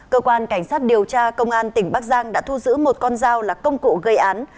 cơ quan cảnh sát điều tra công an tỉnh bắc giang đã thu giữ một con dao là công cụ gây án